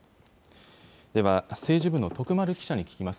では、政治部の徳丸記者に聞きます。